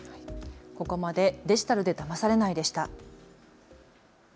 ここまでデジタルでだまされないでした。